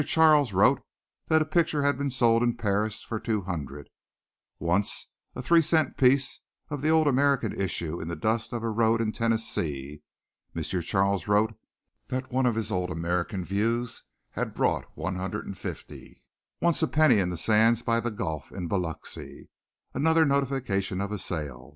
Charles wrote that a picture had been sold in Paris for two hundred; once a three cent piece of the old American issue in the dust of a road in Tennessee M. Charles wrote that one of his old American views had brought one hundred and fifty; once a penny in sands by the Gulf in Biloxi another notification of a sale.